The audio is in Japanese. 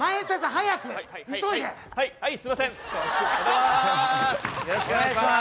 よろしくお願いします。